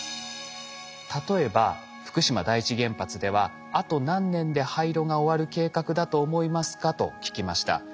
例えば福島第一原発ではあと何年で廃炉が終わる計画だと思いますかと聞きました。